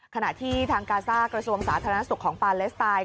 ขณะที่ทางกาซ่ากระทรวงสาธารณสุขของปาเลสไตน์